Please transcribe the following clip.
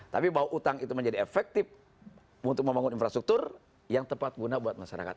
tapi bahwa utang itu menjadi efektif untuk membangun infrastruktur yang tepat guna buat masyarakat